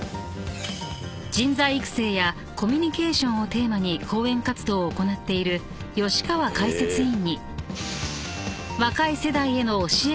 ［人材育成やコミュニケーションをテーマに講演活動を行っている吉川解説員に］